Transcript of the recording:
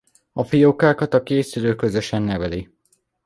A fiókákat a két szülő közösen neveli.